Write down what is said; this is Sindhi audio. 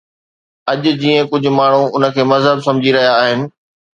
اڄ جيئن ڪجهه ماڻهو ان کي مذهب سمجهي رهيا آهن